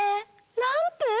ランプ？